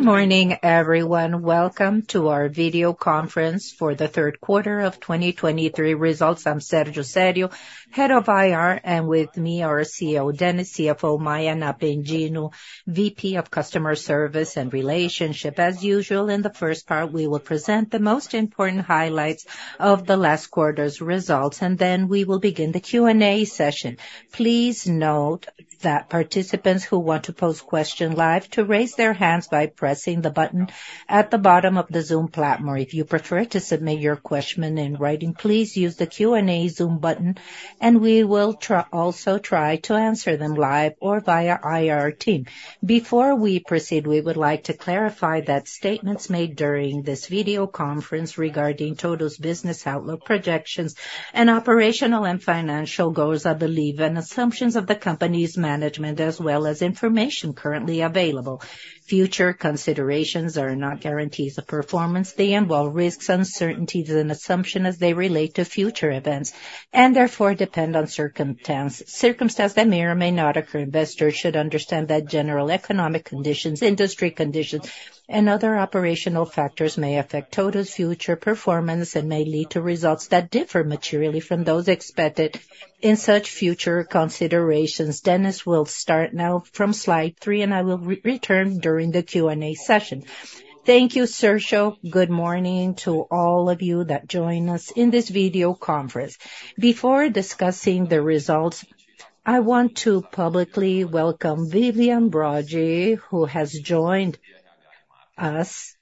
Good morning, everyone. Welcome to our video conference for the third quarter of 2023 results. I'm Sérgio Serio, Head of IR, and with me, our CEO, Dennis, CFO, Maia, VP of Customer Service and Relationship. As usual, in the first part, we will present the most important highlights of the last quarter's results, and then we will begin the Q&A session. Please note that participants who want to pose question live to raise their hands by pressing the button at the bottom of the Zoom platform. Or if you prefer to submit your question in writing, please use the Q&A Zoom button, and we will also try to answer them live or via IR team. Before we proceed, we would like to clarify that statements made during this video conference regarding TOTVS's business outlook, projections, and operational and financial goals are belief and assumptions of the company's Management, as well as information currently available. Future considerations are not guarantees of performance, they involve risks, uncertainties, and assumption as they relate to future events, and therefore depend on circumstance, circumstances that may or may not occur. Investors should understand that general economic conditions, industry conditions, and other operational factors may affect TOTVS's future performance and may lead to results that differ materially from those expected in such future considerations. Dennis will start now from slide three, and I will return during the Q&A session. Thank you, Sérgio. Good morning to all of you that join us in this video conference. Before discussing the results, I want to publicly welcome Vivian Broge, who has joined us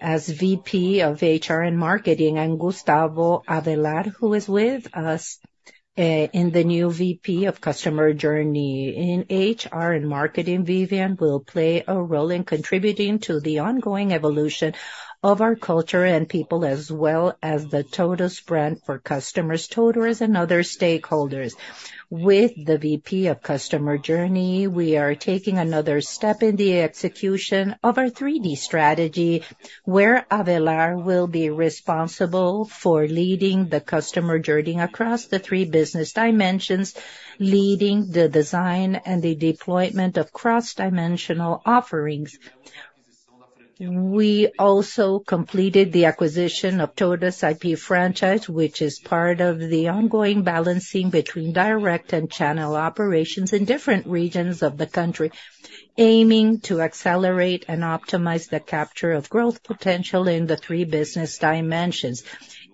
as VP of HR and Marketing, and Gustavo Avelar, who is with us in the new VP of Customer Journey. In HR and Marketing, Vivian will play a role in contributing to the ongoing evolution of our culture and people, as well as the TOTVS brand for customers, TOTVS, and other stakeholders. With the VP of Customer Journey, we are taking another step in the execution of our 3D Strategy, where Avelar will be responsible for leading the customer journey across the Business Dimensions, leading the design and the deployment of cross-dimensional offerings. We also completed the acquisition of TOTVS IP franchise, which is part of the ongoing balancing between direct and channel operations in different regions of the country, aiming to accelerate and optimize the capture of growth potential in the Business Dimensions.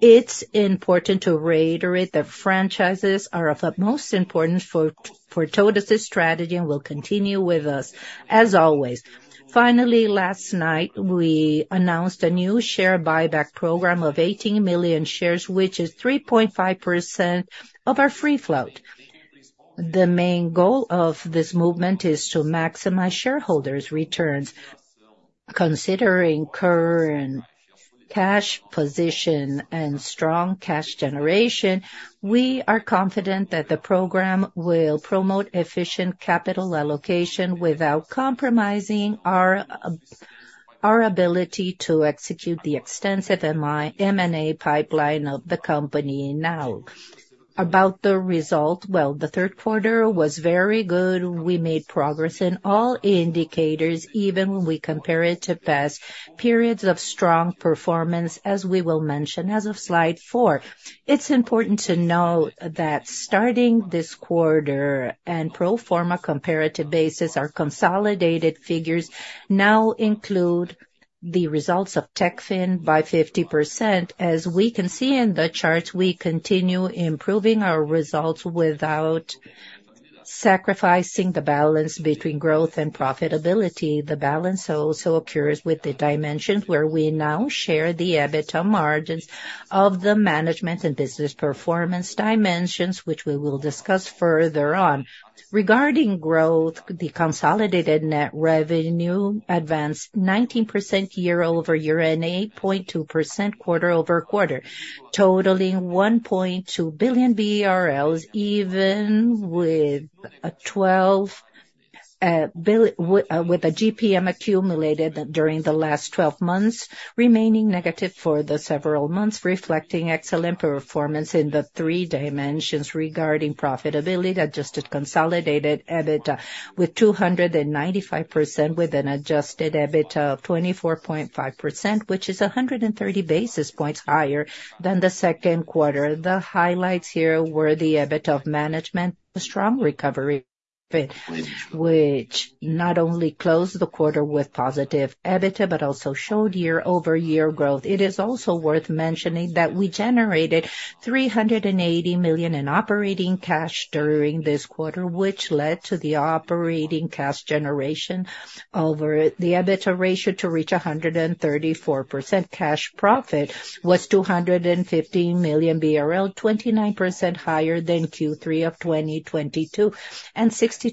It's important to reiterate that franchises are of the most important for TOTVS strategy and will continue with us as always. Finally, last night, we announced a new share buyback program of 18 million shares, which is 3.5% of our free float. The main goal of this movement is to maximize shareholders' returns. Considering current cash position and strong cash generation, we are confident that the program will promote efficient capital allocation without compromising our ability to execute the extensive M&A pipeline of the company. Now, about the result. Well, the third quarter was very good. We made progress in all indicators, even when we compare it to past periods of strong performance, as we will mention as of slide 4. It's important to note that starting this quarter and pro forma comparative basis, our consolidated figures now include the results of Techfin by 50%. As we can see in the chart, we continue improving our results without sacrificing the balance between growth and profitability. The balance also occurs with the dimensions where we now share the EBITDA margins of the Management and Business Performance dimensions, which we will discuss further on. Regarding growth, the consolidated net revenue advanced 19% year-over-year and 8.2% quarter-over-quarter, totaling 1.2 billion BRL, even with a 12, with IGP-M accumulated during the last 12 months, remaining negative for several months, reflecting excellent performance in the three dimensions. Regarding profitability, adjusted consolidated EBITDA was 295% with an adjusted EBITDA of 24.5%, which is 130 basis points higher than the second quarter. The highlights here were the EBITDA of Management, a strong recovery, which not only closed the quarter with positive EBITDA, but also showed year-over-year growth. It is also worth mentioning that we generated 380 million in operating cash during this quarter, which led to the operating cash generation over the EBITDA ratio to reach 134%. Cash profit was 215 million BRL, 29% higher than Q3 of 2022, and 62% than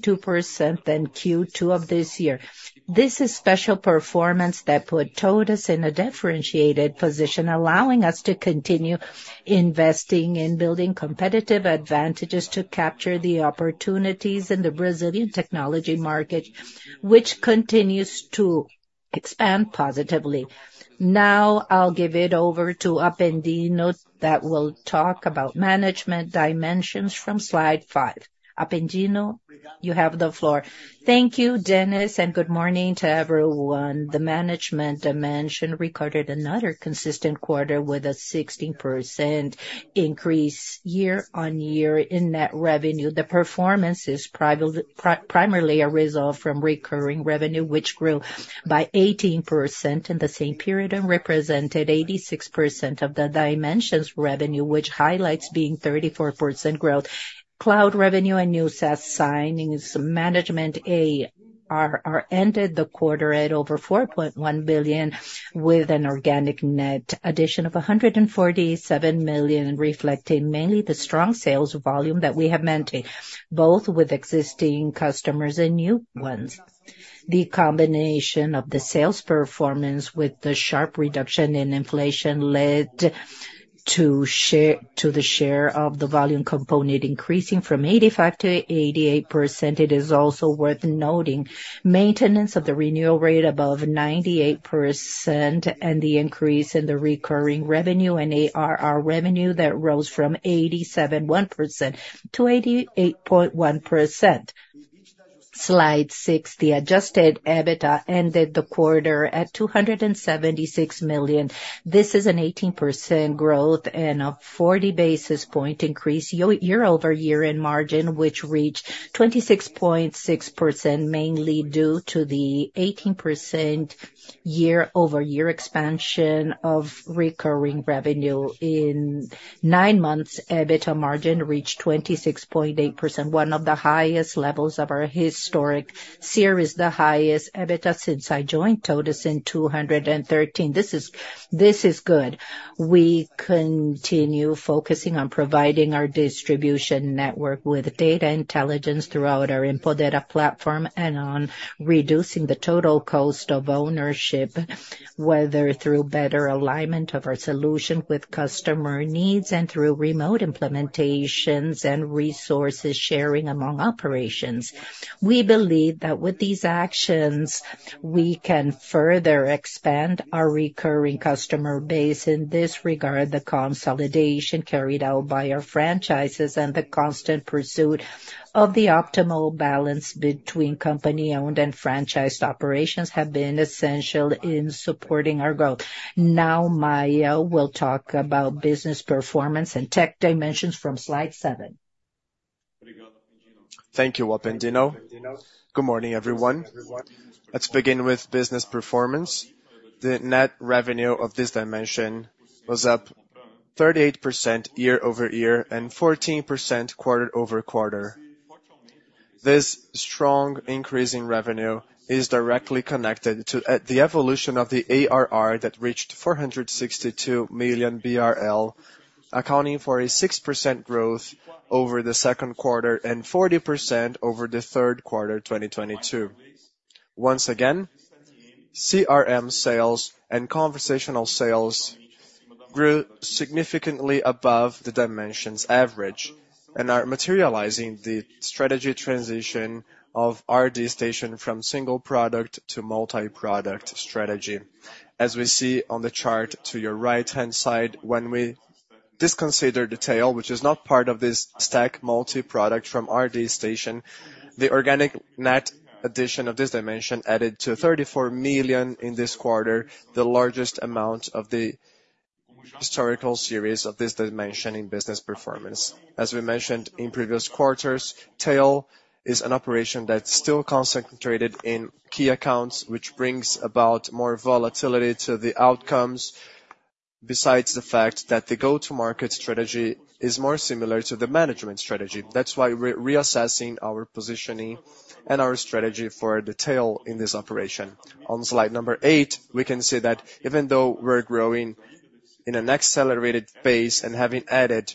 Q2 of this year. This is special performance that put TOTVS in a differentiated position, allowing us to continue investing in building competitive advantages to capture the opportunities in the Brazilian technology market, which continues to... expand positively. Now I'll give it over to Apendino, that will talk about Management dimensions from slide five. Apendino, you have the floor. Thank you, Dennis, and good morning to everyone. The Management dimension recorded another consistent quarter, with a 16% increase year-on-year in net revenue. The performance is primarily a result from recurring revenue, which grew by 18% in the same period, and represented 86% of the dimension's revenue, which highlights being 34% growth. Cloud revenue and new SaaS signings Management ARR ended the quarter at over 4.1 billion, with an organic net addition of 147 million, reflecting mainly the strong sales volume that we have maintained, both with existing customers and new ones. The combination of the sales performance with the sharp reduction in inflation led to the share of the volume component increasing from 85%-88%. It is also worth noting, maintenance of the renewal rate above 98%, and the increase in the recurring revenue and ARR revenue that rose from 87.1% to 88.1%. Slide six. The adjusted EBITDA ended the quarter at 276 million. This is an 18% growth and a 40 basis point increase year-over-year in margin, which reached 26.6%, mainly due to the 18% year-over-year expansion of recurring revenue. In nine months, EBITDA margin reached 26.8%, one of the highest levels of our historic series, the highest EBITDA since I joined TOTVS in 2013. This is good. We continue focusing on providing our distribution network with data intelligence throughout our InfoData platform, and on reducing the total cost of ownership, whether through better alignment of our solution with customer needs and through remote implementations and resources sharing among operations. We believe that with these actions, we can further expand our recurring customer base. In this regard, the consolidation carried out by our franchises and the constant pursuit of the optimal balance between company-owned and franchised operations, have been essential in supporting our growth. Now, Mayia will talk about business performance and tech dimensions from slide 7. Thank you, Apendino. Good morning, everyone. Let's begin with business performance. The net revenue of this dimension was up 38% year-over-year, and 14% quarter-over-quarter. This strong increase in revenue is directly connected to the evolution of the ARR that reached 462 million BRL, accounting for a 6% growth over the second quarter, and 40% over the third quarter, 2022. Once again, CRM sales and conversational sales grew significantly above the dimension's average, and are materializing the strategy transition of RD Station from single product to multi-product strategy. As we see on the chart to your right-hand side, when we disconsider Tail, which is not part of this stack, multi-product from RD Station, the organic net addition of this dimension added to 34 million in this quarter, the largest amount of the historical series of this dimension in business performance. As we mentioned in previous quarters, Tail is an operation that's still concentrated in key accounts, which brings about more volatility to the outcomes, besides the fact that the go-to-market strategy is more similar to the Management strategy. That's why we're reassessing our positioning and our strategy for the Tail in this operation. On slide number 8, we can see that even though we're growing in an accelerated pace and having added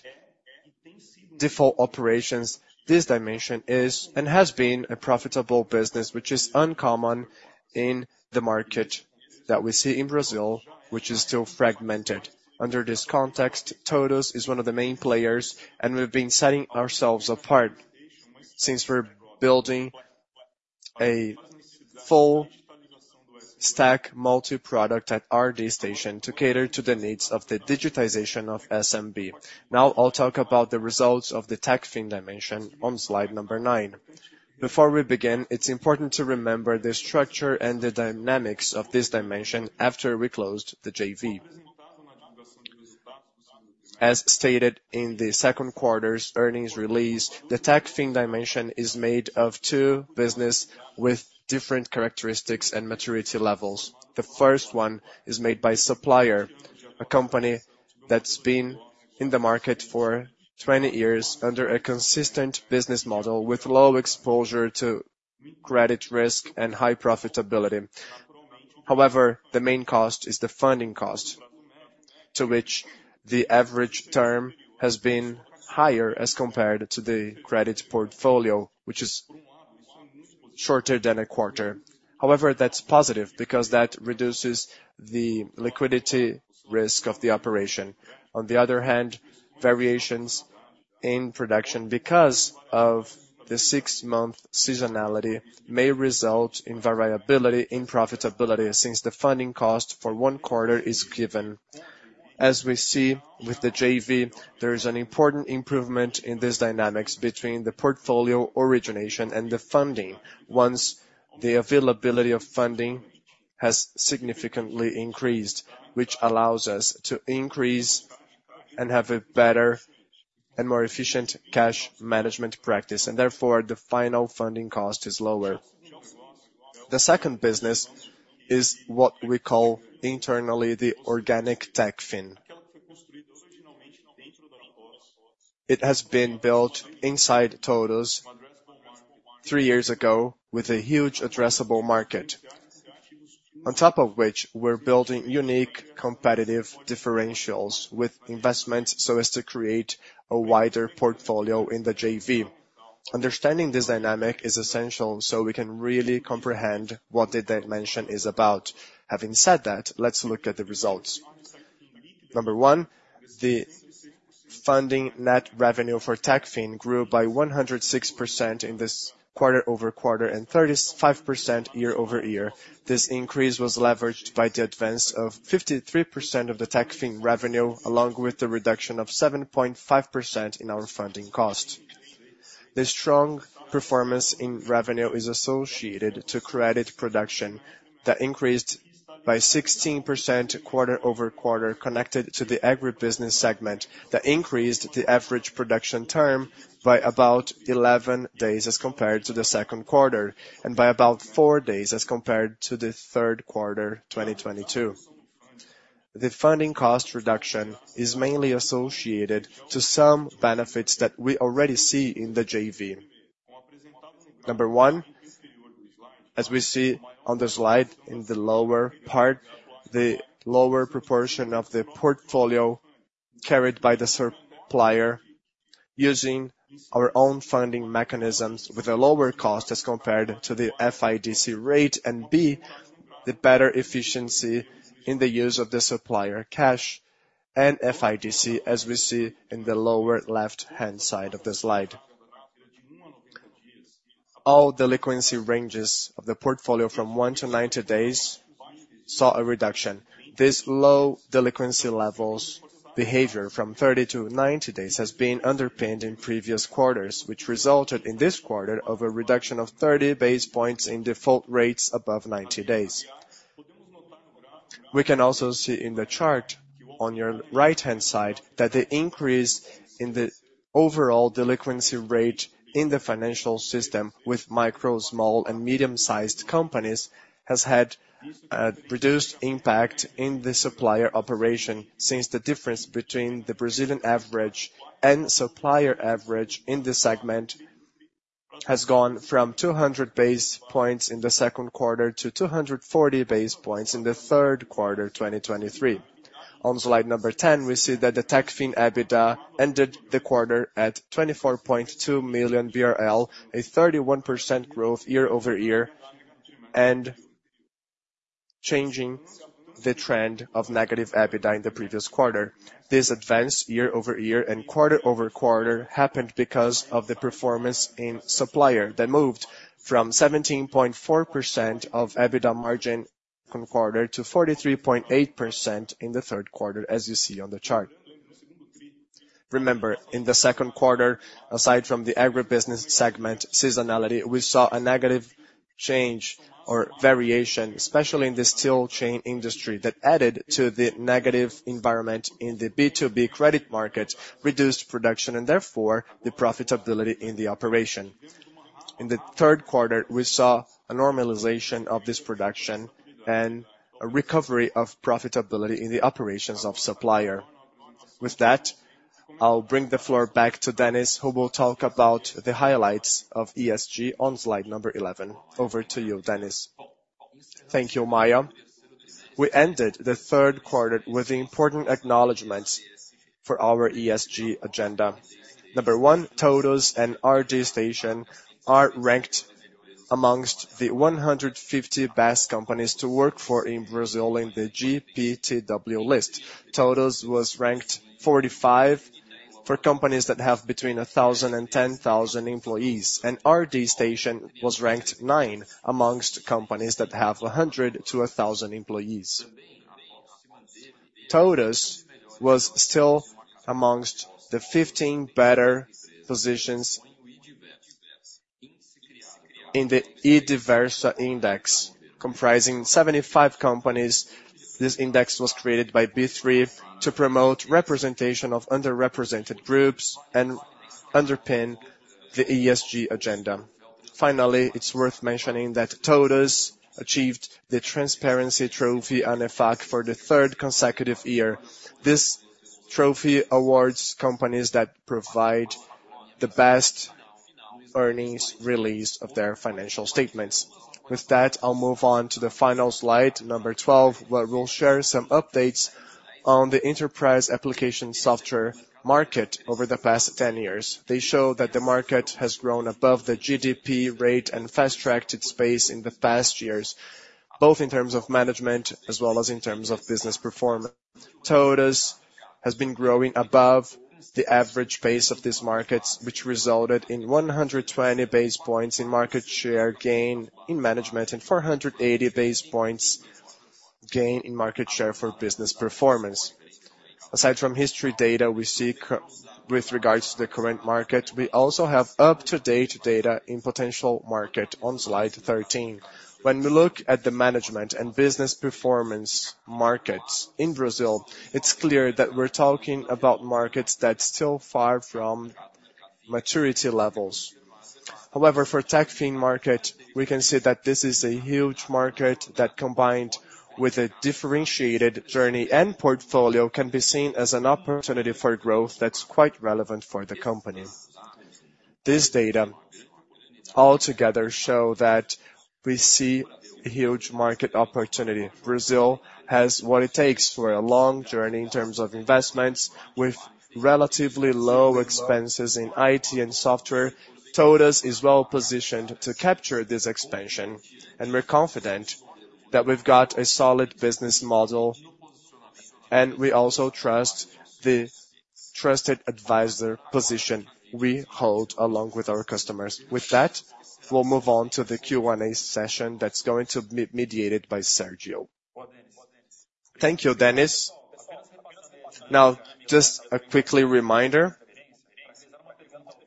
default operations, this dimension is, and has been a profitable business, which is uncommon in the market that we see in Brazil, which is still fragmented. Under this context, TOTVS is one of the main players, and we've been setting ourselves apart since we're building a full stack multi-product at RD Station to cater to the needs of the digitization of SMB. Now, I'll talk about the results of the TechFin dimension on slide number 9. Before we begin, it's important to remember the structure and the dynamics of this dimension after we closed the JV. As stated in the second quarter's earnings release, the TechFin dimension is made of two business with different characteristics and maturity levels. The first one is made by Supplier, a company that's been in the market for 20 years under a consistent business model, with low exposure to credit risk and high profitability. However, the main cost is the funding cost, to which the average term has been higher as compared to the credit portfolio, which is shorter than a quarter. However, that's positive because that reduces the liquidity risk of the operation. On the other hand, variations in production because of the six-month seasonality, may result in variability in profitability, since the funding cost for one quarter is given. As we see with the JV, there is an important improvement in this dynamics between the portfolio origination and the funding, once the availability of funding has significantly increased, which allows us to increase and have a better and more efficient cash Management practice, and therefore, the final funding cost is lower. The second business is what we call internally, the organic Techfin. It has been built inside TOTVS three years ago with a huge addressable market. On top of which, we're building unique competitive differentials with investments, so as to create a wider portfolio in the JV. Understanding this dynamic is essential, so we can really comprehend what the dimension is about. Having said that, let's look at the results. Number one, the funding net revenue for Techfin grew by 106% in this quarter-over-quarter, and 35% year-over-year. This increase was leveraged by the advance of 53% of the Techfin revenue, along with the reduction of 7.5% in our funding cost. The strong performance in revenue is associated to credit production, that increased by 16% quarter-over-quarter, connected to the agribusiness segment, that increased the average production term by about 11 days as compared to the second quarter, and by about 4 days as compared to the third quarter, 2022. The funding cost reduction is mainly associated to some benefits that we already see in the JV. Number one, as we see on the slide in the lower part, the lower proportion of the portfolio carried by the supplier, using our own funding mechanisms with a lower cost as compared to the FIDC rate. And B, the better efficiency in the use of the supplier cash and FIDC, as we see in the lower left-hand side of the slide. All delinquency ranges of the portfolio from 1-90 days, saw a reduction. This low delinquency levels behavior from 30-90 days, has been underpinned in previous quarters, which resulted in this quarter of a reduction of 30 base points in default rates above 90 days. We can also see in the chart on your right-hand side, that the increase in the overall delinquency rate in the financial system with micro, small, and medium-sized companies, has had reduced impact in the Supplier operation. Since the difference between the Brazilian average and Supplier average in this segment, has gone from 200 basis points in the second quarter to 240 basis points in the third quarter, 2023. On slide number 10, we see that the Techfin EBITDA ended the quarter at 24.2 million BRL, a 31% growth year-over-year, and changing the trend of negative EBITDA in the previous quarter. This advance year-over-year and quarter-over-quarter happened because of the performance in Supplier, that moved from 17.4% of EBITDA margin quarter to 43.8% in the third quarter, as you see on the chart. Remember, in the second quarter, aside from the agribusiness segment seasonality, we saw a negative change or variation, especially in the steel chain industry, that added to the negative environment in the B2B credit market, reduced production, and therefore, the profitability in the operation. In the third quarter, we saw a normalization of this production and a recovery of profitability in the operations of Supplier. With that, I'll bring the floor back to Dennis, who will talk about the highlights of ESG on slide number 11. Over to you, Dennis. Thank you, Maia. We ended the third quarter with the important acknowledgment for our ESG agenda. Number 1, TOTVS and RD Station are ranked amongst the 150 best companies to work for in Brazil in the GPTW list. TOTVS was ranked 45 for companies that have between 1,000 and 10,000 employees, and RD Station was ranked 9 amongst companies that have a hundred to 1,000 employees. TOTVS was still amongst the 15 better positions in the I-Diversa Index, comprising 75 companies. This index was created by B3 to promote representation of underrepresented groups and underpin the ESG agenda. Finally, it's worth mentioning that TOTVS achieved the Transparency Trophy and ANEFAC for the third consecutive year. This trophy awards companies that provide the best earnings release of their financial statements. With that, I'll move on to the final slide, number 12, where we'll share some updates on the enterprise application software market over the past 10 years. They show that the market has grown above the GDP rate and fast-tracked its pace in the past years.... both in terms of Management as well as in terms of business performance. TOTVS has been growing above the average pace of these markets, which resulted in 120 base points in market share gain in Management, and 480 base points gain in market share for business performance. Aside from historical data, we see with regards to the current market, we also have up-to-date data in potential market on slide 13. When we look at the Management and business performance markets in Brazil, it's clear that we're talking about markets that's still far from maturity levels. However, for Techfin market, we can see that this is a huge market that, combined with a differentiated journey and portfolio, can be seen as an opportunity for growth that's quite relevant for the company. This data altogether show that we see a huge market opportunity. Brazil has what it takes for a long journey in terms of investments, with relatively low expenses in IT and software. TOTVS is well positioned to capture this expansion, and we're confident that we've got a solid business model, and we also trust the trusted advisor position we hold along with our customers. With that, we'll move on to the Q&A session that's going to be mediated by Sérgio. Thank you, Dennis. Now, just a quick reminder,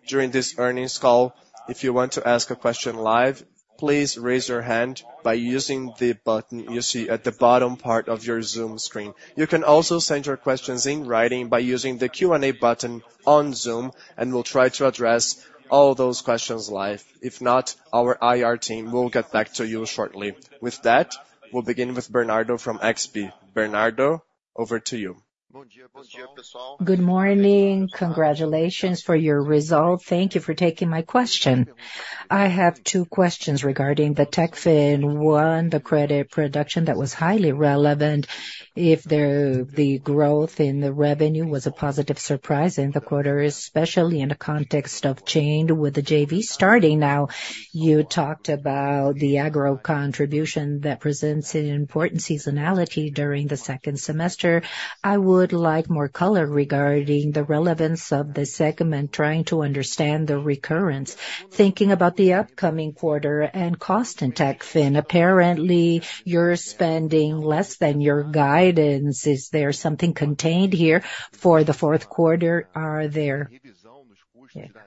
during this earnings call, if you want to ask a question live, please raise your hand by using the button you see at the bottom part of your Zoom screen. You can also send your questions in writing by using the Q&A button on Zoom, and we'll try to address all those questions live. If not, our IR team will get back to you shortly. With that, we'll begin with Bernardo from XP. Bernardo, over to you. Good morning. Congratulations for your result. Thank you for taking my question. I have two questions regarding the Techfin. One, the credit production that was highly relevant, if the growth in the revenue was a positive surprise in the quarter, especially in the context of Selic, with the JV starting now, you talked about the agro contribution that presents an important seasonality during the second semester. I would like more color regarding the relevance of the segment, trying to understand the recurrence. Thinking about the upcoming quarter and cost in Techfin, apparently, you're spending less than your guidance. Is there something contained here for the fourth quarter? Are there?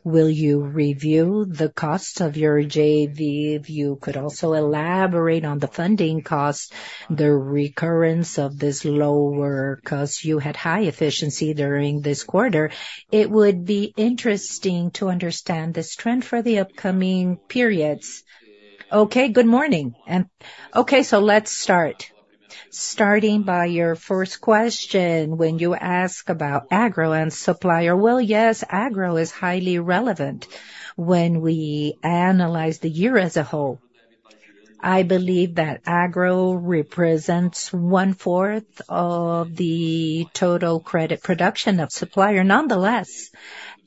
Will you review the cost of your JV? If you could also elaborate on the funding cost, the recurrence of this lower cost. You had high efficiency during this quarter. It would be interesting to understand this trend for the upcoming periods. Okay, good morning. Okay, so let's start. Starting by your first question, when you ask about agro and Supplier. Well, yes, agro is highly relevant when we analyze the year as a whole. I believe that agro represents one fourth of the total credit production of Supplier. Nonetheless,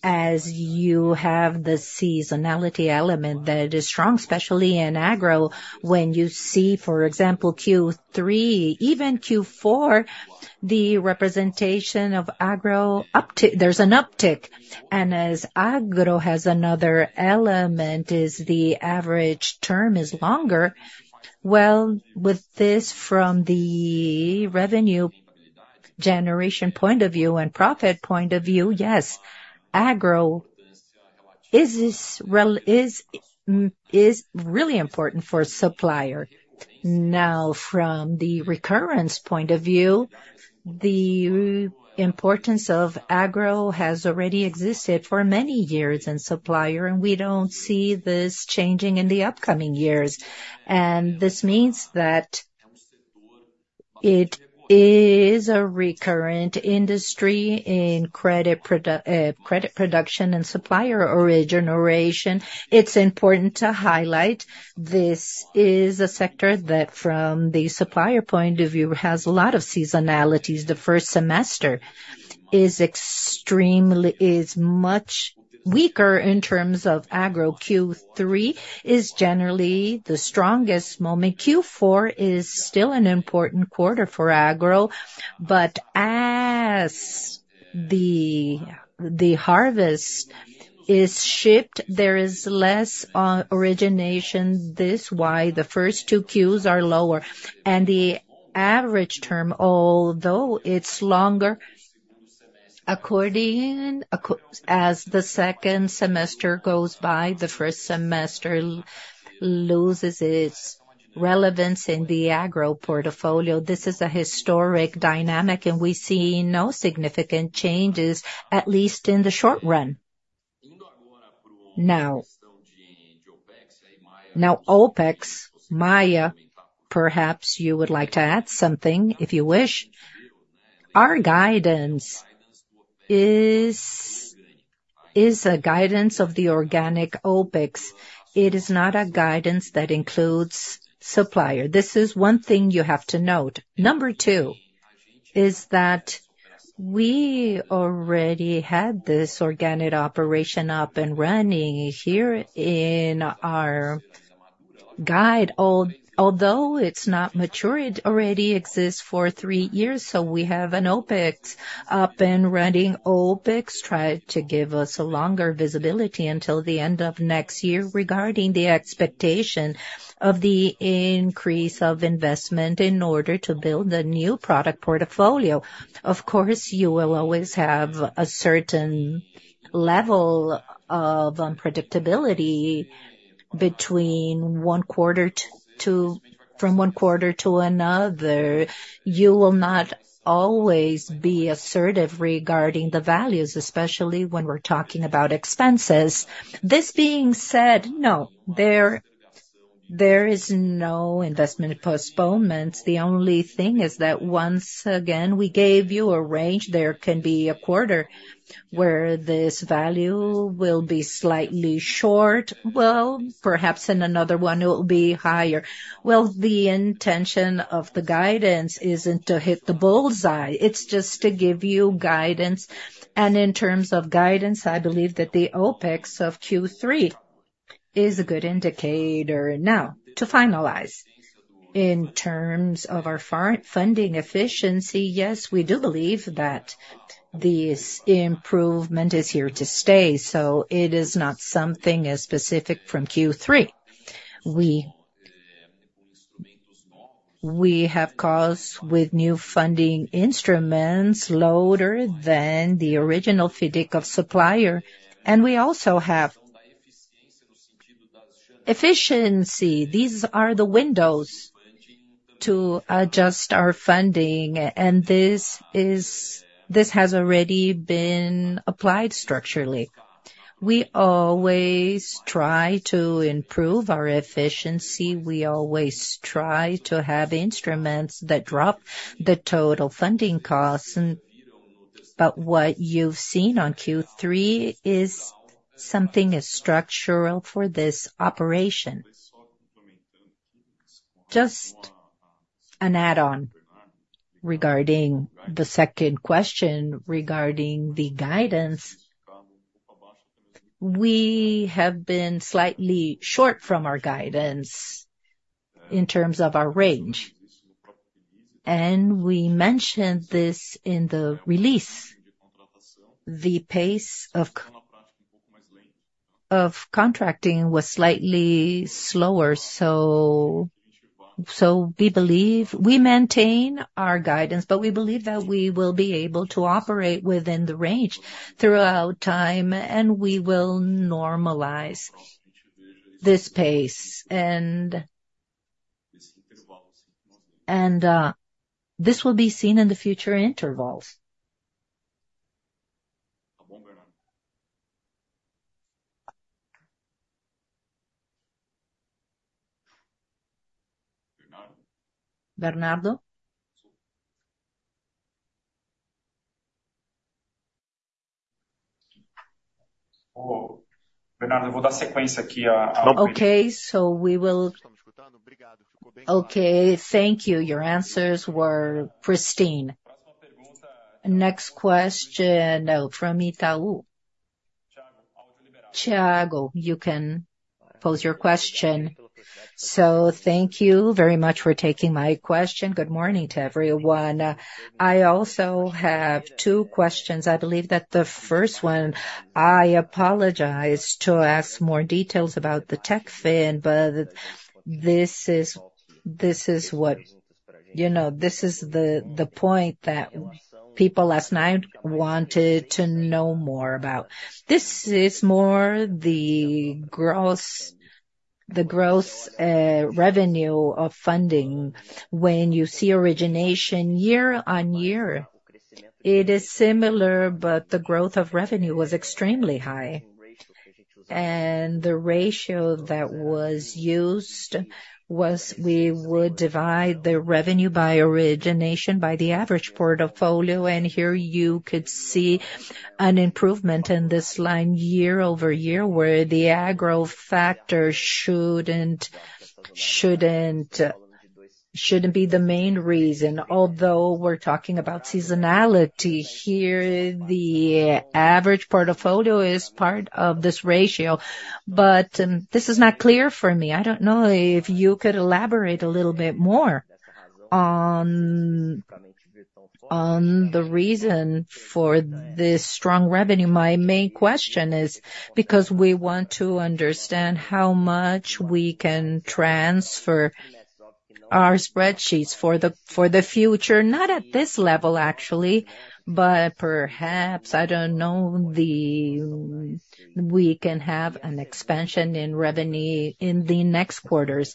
as you have the seasonality element, that it is strong, especially in agro, when you see, for example, Q3, even Q4, the representation of agro uptick, there's an uptick, and as agro has another element, is the average term is longer. Well, with this, from the revenue generation point of view and profit point of view, yes, agro is this is really important for Supplier. Now, from the recurrence point of view, the importance of agro has already existed for many years in Supplier, and we don't see this changing in the upcoming years. And this means that it is a recurrent industry in credit production and Supplier origination. It's important to highlight, this is a sector that, from the Supplier point of view, has a lot of seasonalities. The first semester is much weaker in terms of agro. Q3 is generally the strongest moment. Q4 is still an important quarter for agro, but as the harvest is shipped, there is less origination. This is why the first two Qs are lower. And the average term, although it's longer, as the second semester goes by, the first semester loses its relevance in the agro portfolio. This is a historic dynamic, and we see no significant changes, at least in the short run. Now, OpEx, Maia, perhaps you would like to add something, if you wish. Our guidance is a guidance of the organic OpEx. It is not a guidance that includes Supplier. This is one thing you have to note. Number two is that we already had this organic operation up and running here in our guide. Although it's not mature, it already exists for three years, so we have an OpEx up and running. OpEx try to give us a longer visibility until the end of next year regarding the expectation of the increase of investment in order to build the new product portfolio. Of course, you will always have a certain level of unpredictability between one quarter to, from one quarter to another. You will not always be assertive regarding the values, especially when we're talking about expenses. This being said, no, there is no investment postponements. The only thing is that, once again, we gave you a range. There can be a quarter where this value will be slightly short, well, perhaps in another one, it will be higher. Well, the intention of the guidance isn't to hit the bull's eye, it's just to give you guidance. And in terms of guidance, I believe that the OpEx of Q3 is a good indicator. Now, to finalize, in terms of our funding efficiency, yes, we do believe that this improvement is here to stay, so it is not something as specific from Q3. We have costs with new funding instruments, lower than the original FIDC of Supplier, and we also have efficiency. These are the windows to adjust our funding, and this is. This has already been applied structurally. We always try to improve our efficiency. We always try to have instruments that drop the total funding costs and... But what you've seen on Q3 is something as structural for this operation. Just an add-on regarding the second question, regarding the guidance. We have been slightly short from our guidance in terms of our range, and we mentioned this in the release. The pace of contracting was slightly slower, so we believe. We maintain our guidance, but we believe that we will be able to operate within the range throughout time, and we will normalize this pace. And this will be seen in the future intervals. Bernardo? Okay, so we will... Okay, thank you. Your answers were pristine. Next question from Itaú. Thiago, you can pose your question. So thank you very much for taking my question. Good morning to everyone. I also have two questions. I believe that the first one, I apologize to ask more details about the Techfin, but this is, this is what, you know, this is the, the point that people last night wanted to know more about. This is more the gross, the gross, revenue of funding. When you see origination year-on-year, it is similar, but the growth of revenue was extremely high. And the ratio that was used was, we would divide the revenue by origination, by the average portfolio, and here you could see an improvement in this line year over year, where the aggressive factor shouldn't, shouldn't, shouldn't be the main reason. Although we're talking about seasonality, here, the average portfolio is part of this ratio, but this is not clear for me. I don't know if you could elaborate a little bit more on, on the reason for this strong revenue. My main question is because we want to understand how much we can transfer our spreadsheets for the, for the future. Not at this level, actually, but perhaps, I don't know, the, we can have an expansion in revenue in the next quarters.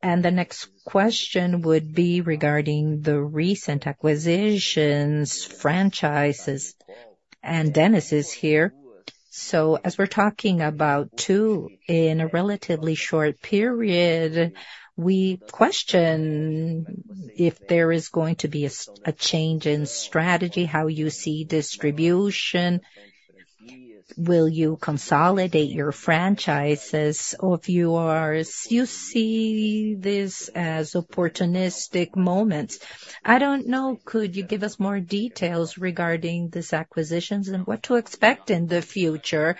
And the next question would be regarding the recent acquisitions, franchises, and Dennis is here. So as we're talking about two in a relatively short period, we question if there is going to be a change in strategy, how you see distribution? Will you consolidate your franchises or if you are, you see this as opportunistic moments? I don't know, could you give us more details regarding these acquisitions and what to expect in the future?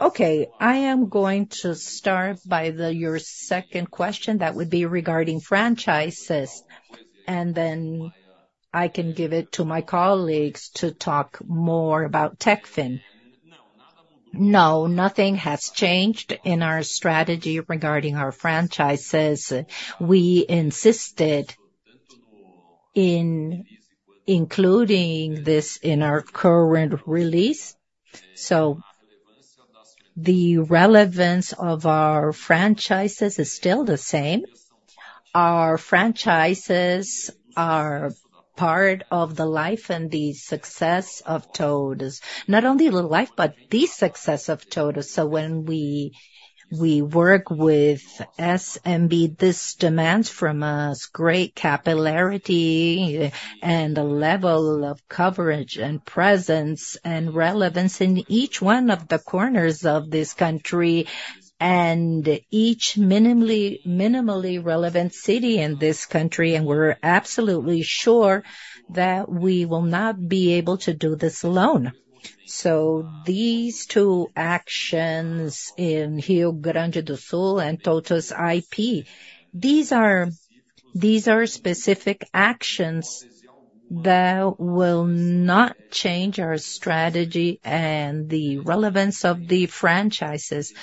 Okay, I am going to start by your second question, that would be regarding franchises, and then I can give it to my colleagues to talk more about Techfin. No, nothing has changed in our strategy regarding our franchises. We insisted in including this in our current release. So the relevance of our franchises is still the same. Our franchises are part of the life and the success of TOTVS. Not only the life, but the success of TOTVS. So when we work with SMB, this demands from us great capillarity and a level of coverage and presence and relevance in each one of the corners of this country, and each minimally relevant city in this country, and we're absolutely sure that we will not be able to do this alone. So these two actions in Rio Grande do Sul and TOTVS IP, these are specific actions that will not change our strategy and the relevance of the franchises.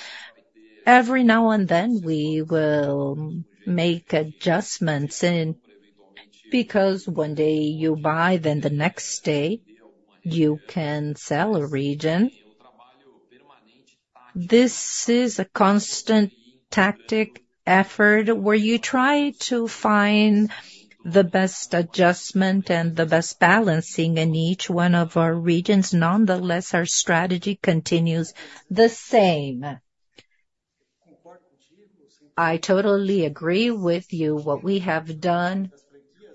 Every now and then, we will make adjustments because one day you buy, then the next day you can sell a region. This is a constant tactic, effort, where you try to find the best adjustment and the best balancing in each one of our regions. Nonetheless, our strategy continues the same. I totally agree with you. What we have done,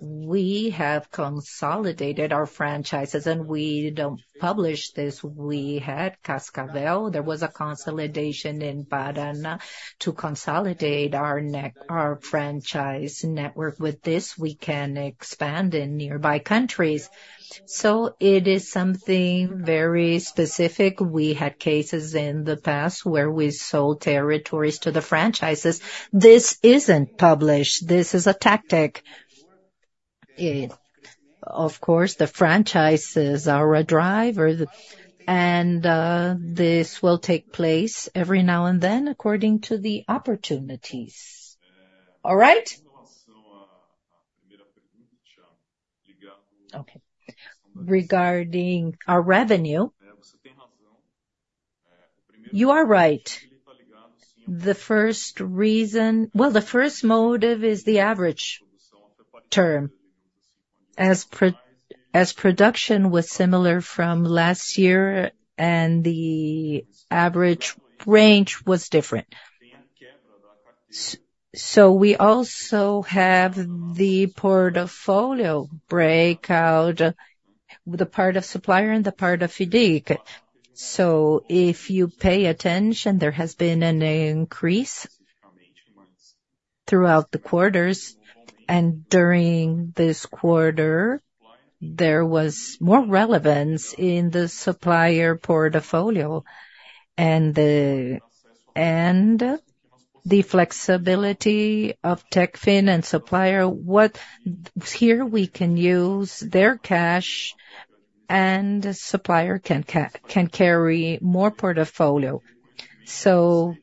we have consolidated our franchises, and we don't publish this. We had Cascavel. There was a consolidation in Paraná to consolidate our our franchise network. With this, we can expand in nearby countries. So it is something very specific. We had cases in the past where we sold territories to the franchises. This isn't published. This is a tactic. Of course, the franchises are a driver, and this will take place every now and then, according to the opportunities. All right? Okay. Regarding our revenue, you are right. The first reason. Well, the first motive is the average term, as production was similar from last year, and the average range was different. So we also have the portfolio breakout, the part of Supplier and the part of FIDC. So if you pay attention, there has been an increase throughout the quarters, and during this quarter, there was more relevance in the Supplier portfolio and the, and the flexibility of Techfin and Supplier. Here, we can use their cash, and the Supplier can carry more portfolio. So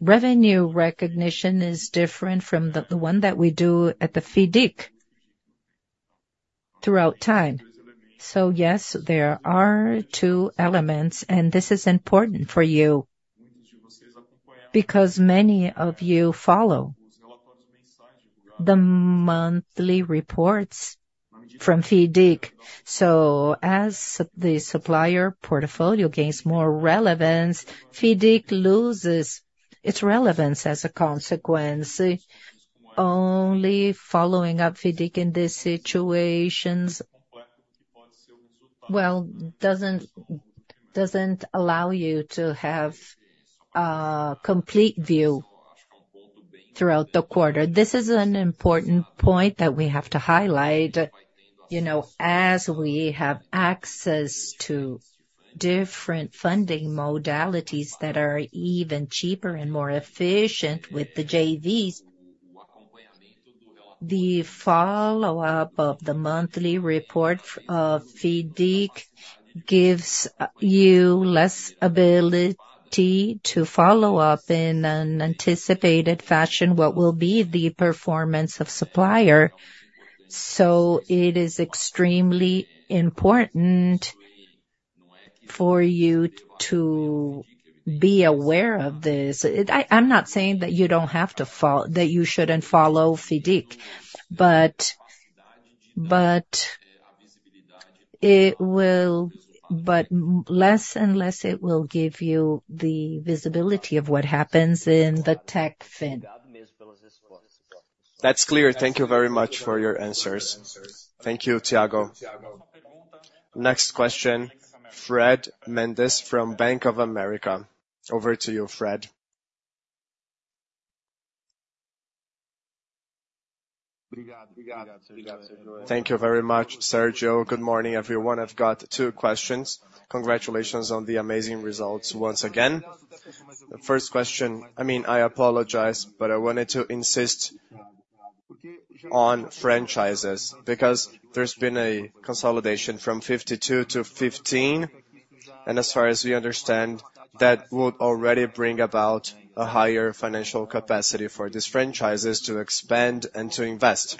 revenue recognition is different from the one that we do at the FIDC throughout time. So yes, there are two elements, and this is important for you because many of you follow the monthly reports from FIDC. So as the Supplier portfolio gains more relevance, FIDC loses its relevance as a consequence. Only following up FIDC in these situations, well, doesn't allow you to have a complete view throughout the quarter. This is an important point that we have to highlight. You know, as we have access to different funding modalities that are even cheaper and more efficient with the JVs, the follow-up of the monthly report of FIDC gives you less ability to follow up in an anticipated fashion what will be the performance of Supplier. So it is extremely important for you to be aware of this. I'm not saying that you shouldn't follow FIDC, but it will... But less and less, it will give you the visibility of what happens in the Techfin. ...That's clear. Thank you very much for your answers. Thank you, Thiago. Next question, Fred Mendes from Bank of America. Over to you, Fred. Thank you very much, Sérgio. Good morning, everyone. I've got two questions. Congratulations on the amazing results once again. The first question, I mean, I apologize, but I wanted to insist on franchises, because there's been a consolidation from 52 to 15, and as far as we understand, that would already bring about a higher financial capacity for these franchises to expand and to invest.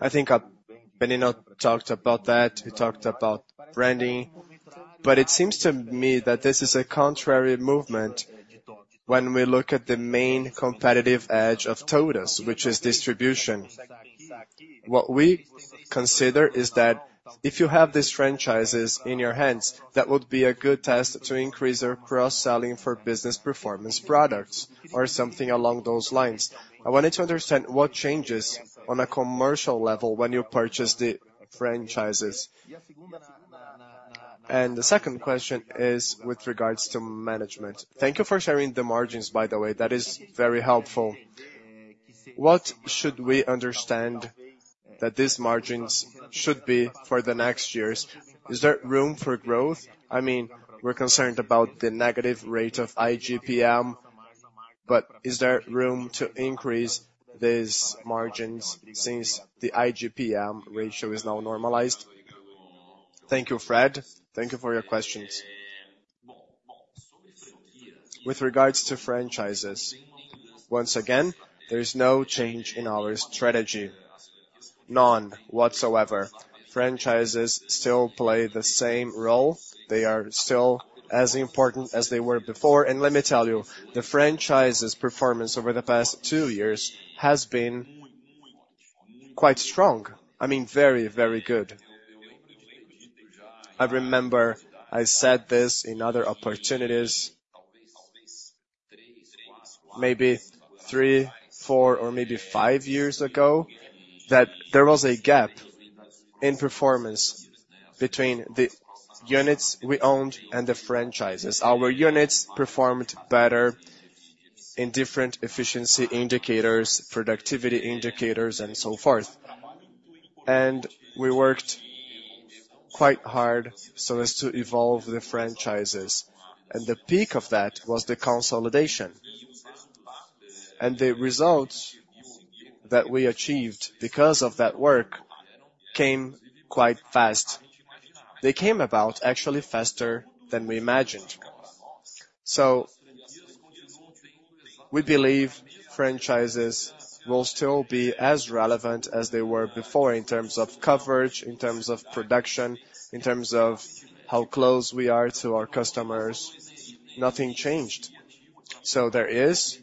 I think, Apendino talked about that. He talked about branding, but it seems to me that this is a contrary movement when we look at the main competitive edge of TOTVS, which is distribution. What we consider is that if you have these franchises in your hands, that would be a good test to increase your cross-selling for business performance products or something along those lines. I wanted to understand what changes on a commercial level when you purchase the franchises. And the second question is with regards to Management. Thank you for sharing the margins, by the way, that is very helpful. What should we understand that these margins should be for the next years? Is there room for growth? I mean, we're concerned about the negative rate of IGP-M, but is there room to increase these margins since the IGP-M ratio is now normalized? Thank you, Fred. Thank you for your questions. With regards to franchises, once again, there is no change in our strategy. None, whatsoever. Franchises still play the same role. They are still as important as they were before, and let me tell you, the franchise's performance over the past two years has been quite strong. I mean, very, very good. I remember I said this in other opportunities, maybe three, four or maybe five years ago, that there was a gap in performance between the units we owned and the franchises. Our units performed better in different efficiency indicators, productivity indicators, and so forth. And we worked quite hard so as to evolve the franchises, and the peak of that was the consolidation. And the results that we achieved because of that work came quite fast. They came about actually faster than we imagined. So we believe franchises will still be as relevant as they were before in terms of coverage, in terms of production, in terms of how close we are to our customers. Nothing changed, so there is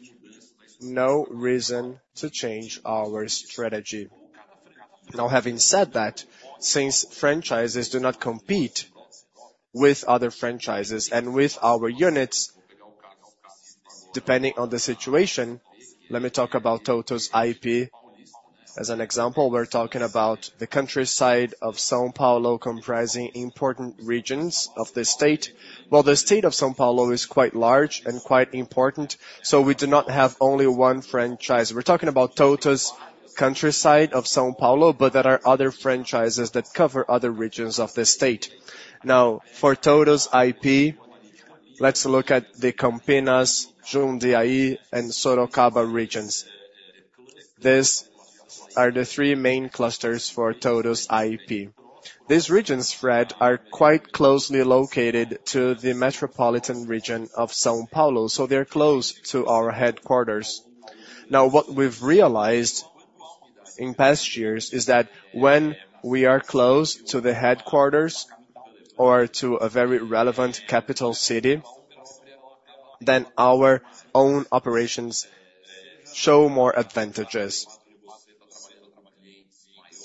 no reason to change our strategy. Now, having said that, since franchises do not compete with other franchises and with our units, depending on the situation, let me talk about TOTVS IP as an example. We're talking about the countryside of São Paulo, comprising important regions of the state. Well, the state of São Paulo is quite large and quite important, so we do not have only one franchise. We're talking about TOTVS IP countryside of São Paulo, but there are other franchises that cover other regions of the state. Now, for TOTVS IP, let's look at the Campinas, Jundiaí, and Sorocaba regions. These are the three main clusters for TOTVS IP. These regions, Fred, are quite closely located to the metropolitan region of São Paulo, so they're close to our headquarters. Now, what we've realized in past years is that when we are close to the headquarters or to a very relevant capital city, then our own operations show more advantages.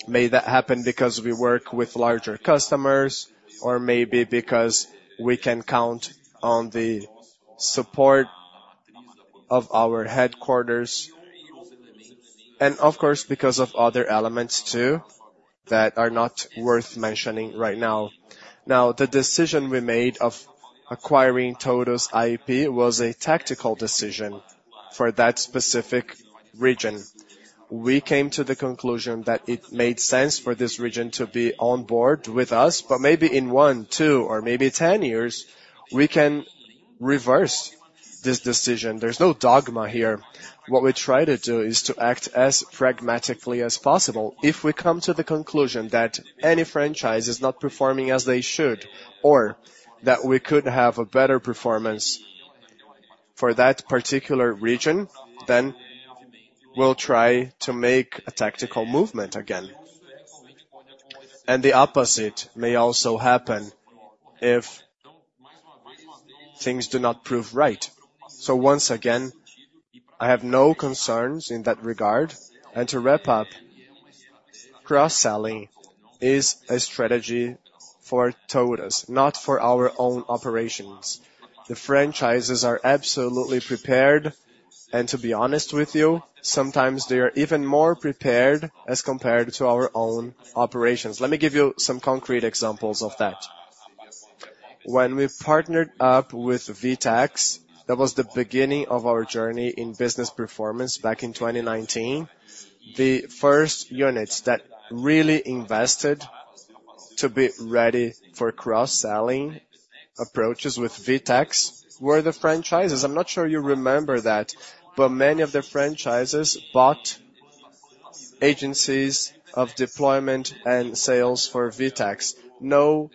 May that happen because we work with larger customers, or maybe because we can count on the support of our headquarters, and of course, because of other elements, too, that are not worth mentioning right now. Now, the decision we made of acquiring TOTVS IP was a tactical decision for that specific region. We came to the conclusion that it made sense for this region to be on board with us, but maybe in one, two, or maybe 10 years, we can reverse this decision. There's no dogma here. What we try to do is to act as pragmatically as possible. If we come to the conclusion that any franchise is not performing as they should, or that we could have a better performance for that particular region, then we'll try to make a tactical movement again. The opposite may also happen if things do not prove right. Once again, I have no concerns in that regard. To wrap up... Cross-selling is a strategy for TOTVS, not for our own operations. The franchises are absolutely prepared, and to be honest with you, sometimes they are even more prepared as compared to our own operations. Let me give you some concrete examples of that. When we partnered up with VTEX, that was the beginning of our journey in business performance back in 2019. The first units that really invested to be ready for cross-selling approaches with VTEX were the franchises. I'm not sure you remember that, but many of the franchises bought agencies of deployment and sales for VTEX. No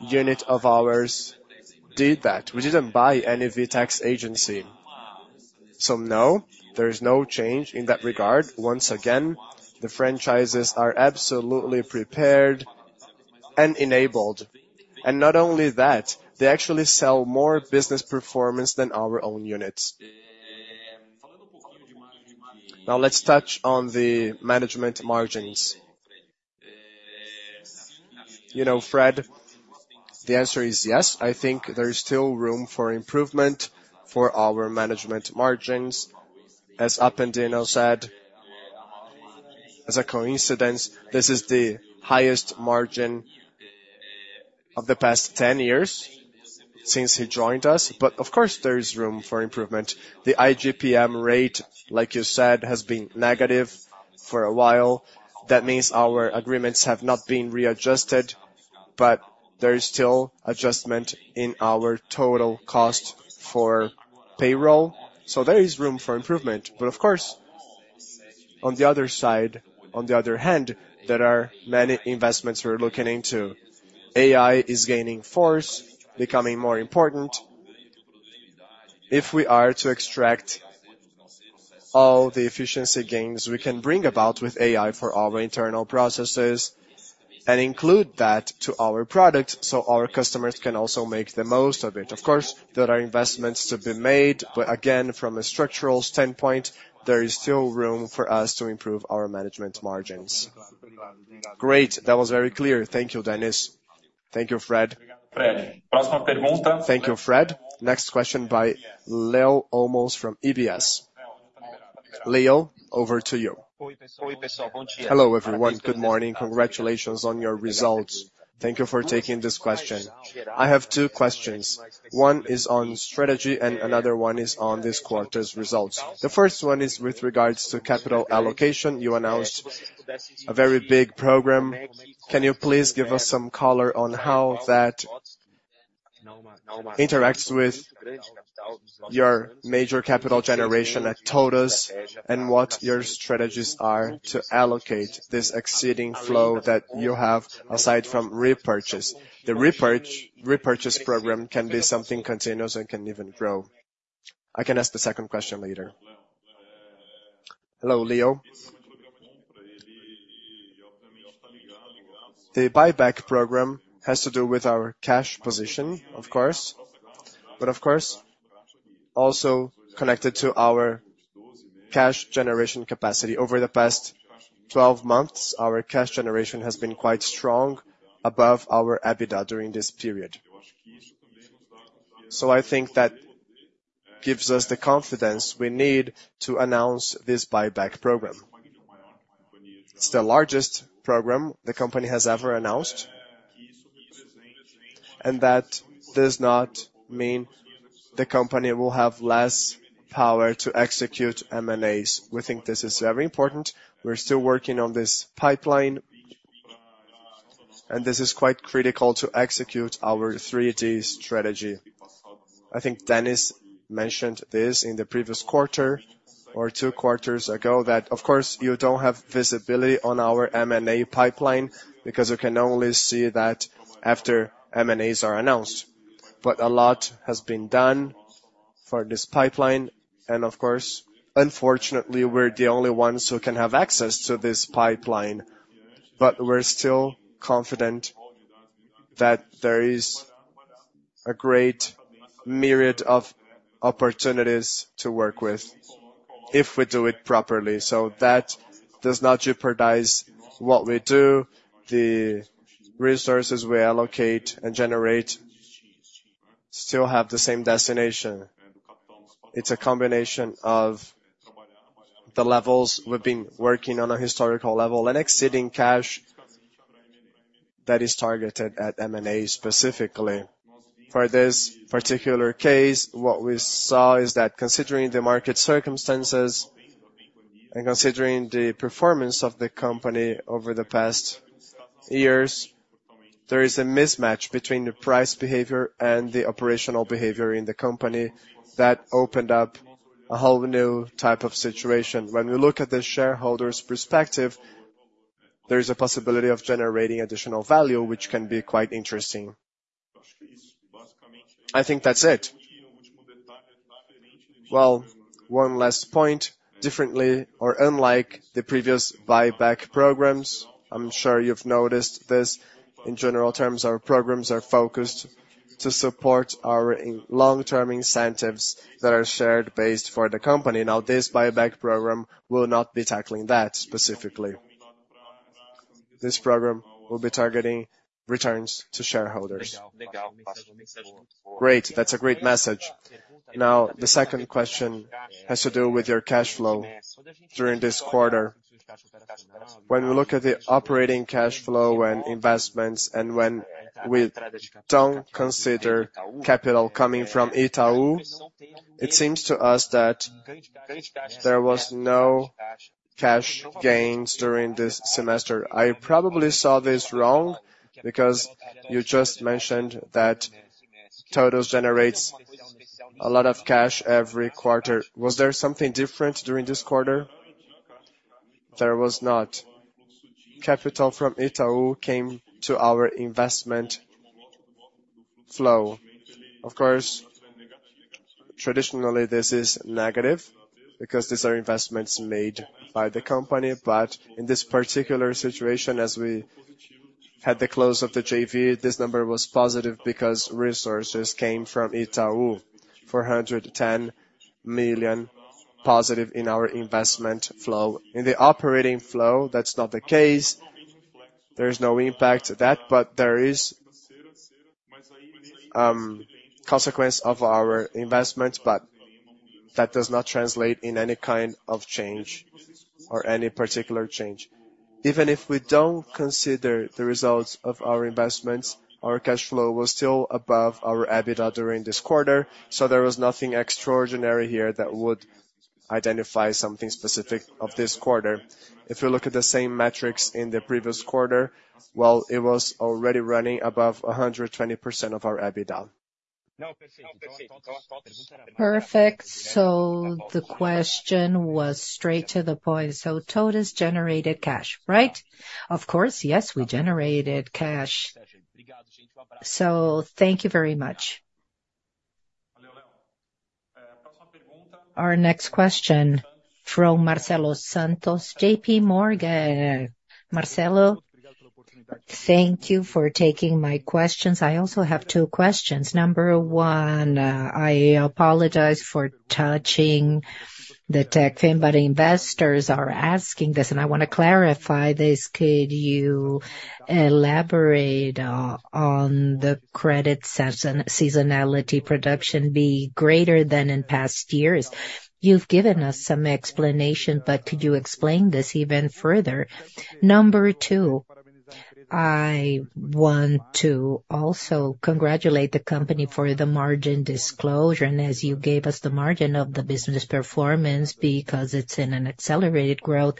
unit of ours did that. We didn't buy any VTEX agency. So no, there is no change in that regard. Once again, the franchises are absolutely prepared and enabled, and not only that, they actually sell more business performance than our own units. Now, let's touch on the Management margins. You know, Fred, the answer is yes. I think there is still room for improvement for our Management margins. As Apendino said, as a coincidence, this is the highest margin of the past 10 years since he joined us, but of course, there is room for improvement. The IGP-M rate, like you said, has been negative for a while. That means our agreements have not been readjusted, but there is still adjustment in our total cost for payroll, so there is room for improvement. But of course, on the other side, on the other hand, there are many investments we're looking into. AI is gaining force, becoming more important. If we are to extract all the efficiency gains we can bring about with AI for our internal processes and include that to our products so our customers can also make the most of it. Of course, there are investments to be made, but again, from a structural standpoint, there is still room for us to improve our Management margins. Great! That was very clear. Thank you, Dennis. Thank you, Fred. Thank you, Fred. Next question by Leo Olmos from UBS. Leo, over to you. Hello, everyone. Good morning. Congratulations on your results. Thank you for taking this question. I have two questions. One is on strategy and another one is on this quarter's results. The first one is with regards to capital allocation. You announced a very big program. Can you please give us some color on how that interacts with your major capital generation at TOTVS, and what your strategies are to allocate this exceeding flow that you have, aside from repurchase? The repurchase program can be something continuous and can even grow. I can ask the second question later. Hello, Leo. The buyback program has to do with our cash position, of course, but of course, also connected to our cash generation capacity. Over the past 12 months, our cash generation has been quite strong above our EBITDA during this period. So I think that gives us the confidence we need to announce this buyback program. It's the largest program the company has ever announced, and that does not mean the company will have less power to execute M&As. We think this is very important. We're still working on this pipeline, and this is quite critical to execute our 3D Strategy. I think Dennis mentioned this in the previous quarter or two quarters ago, that, of course, you don't have visibility on our M&A pipeline because you can only see that after M&As are announced. But a lot has been done for this pipeline, and of course, unfortunately, we're the only ones who can have access to this pipeline. But we're still confident that there is a great myriad of opportunities to work with if we do it properly. So that does not jeopardize what we do. The resources we allocate and generate still have the same destination. It's a combination of the levels we've been working on a historical level and excess cash that is targeted at M&A specifically. For this particular case, what we saw is that considering the market circumstances and considering the performance of the company over the past years, there is a mismatch between the price behavior and the operational behavior in the company. That opened up a whole new type of situation. When we look at the shareholder's perspective, there is a possibility of generating additional value, which can be quite interesting. I think that's it. Well, one last point. Differently or unlike the previous buyback programs, I'm sure you've noticed this, in general terms, our programs are focused to support our long-term incentives that are share-based for the company. Now, this buyback program will not be tackling that specifically. This program will be targeting returns to shareholders. Great! That's a great message. Now, the second question has to do with your cash flow during this quarter. When we look at the operating cash flow and investments, and when we don't consider capital coming from Itaú, it seems to us that there was no cash gains during this semester. I probably saw this wrong, because you just mentioned that TOTVS generates a lot of cash every quarter. Was there something different during this quarter? There was not. Capital from Itaú came to our investment flow. Of course, traditionally, this is negative, because these are investments made by the company. But in this particular situation, as we had the close of the JV, this number was positive because resources came from Itaú, 410 million positive in our investment flow. In the operating flow, that's not the case. There's no impact to that, but there is consequence of our investment, but that does not translate in any kind of change or any particular change. Even if we don't consider the results of our investments, our cash flow was still above our EBITDA during this quarter, so there was nothing extraordinary here that would identify something specific of this quarter. If you look at the same metrics in the previous quarter, well, it was already running above 120% of our EBITDA. Perfect. So the question was straight to the point. So TOTVS generated cash, right? Of course, yes, we generated cash. So thank you very much. Our next question from Marcelo Santos, JP Morgan. Marcelo, thank you for taking my questions. I also have two questions. Number one, I apologize for touching the Techfin, but investors are asking this, and I want to clarify this: could you elaborate on the credit seasonality projection be greater than in past years? You've given us some explanation, but could you explain this even further? Number two: I want to also congratulate the company for the margin disclosure, and as you gave us the margin of the business performance because it's in an accelerated growth,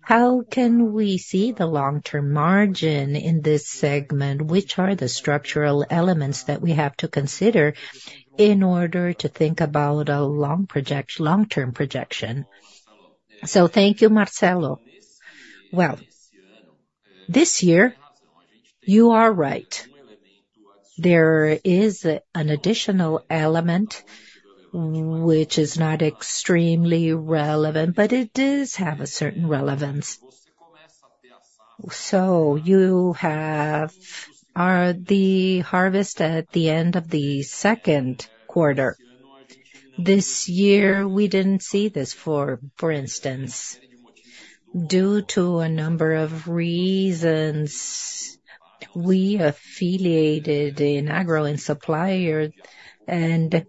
how can we see the long-term margin in this segment? Which are the structural elements that we have to consider in order to think about a long-term projection? So thank you, Marcelo. Well, this year, you are right. There is an additional element which is not extremely relevant, but it does have a certain relevance. So you have the harvest at the end of the second quarter. This year, we didn't see this for instance, due to a number of reasons, we affiliated in agro and Supplier, and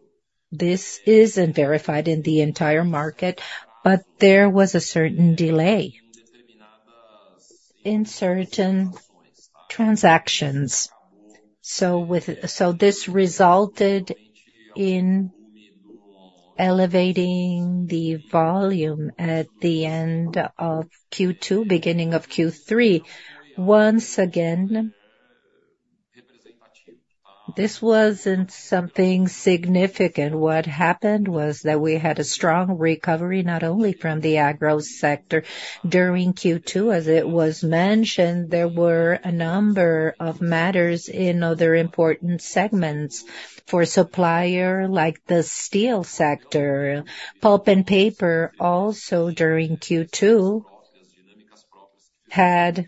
this isn't verified in the entire market, but there was a certain delay in certain transactions. So this resulted in elevating the volume at the end of Q2, beginning of Q3. Once again, this wasn't something significant. What happened was that we had a strong recovery, not only from the agro sector during Q2. As it was mentioned, there were a number of matters in other important segments for Supplier, like the steel sector. Pulp and paper, also during Q2, had